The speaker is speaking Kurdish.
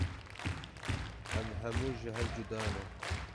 Em hemû ji hev cuda ne.